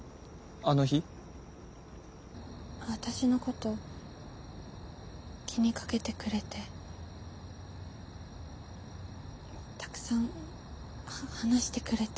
私のこと気にかけてくれてたくさん話してくれて。